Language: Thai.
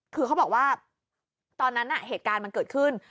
คือเขาบอกว่าตอนนั้นเหตุการณ์มันเกิดขึ้น